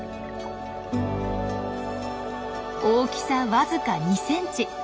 大きさわずか２センチ。